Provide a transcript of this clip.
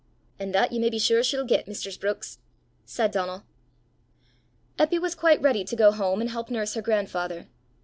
"An' that ye may be sure she'll get, mistress Brookes!" said Donal. Eppy was quite ready to go home and help nurse her grandfather.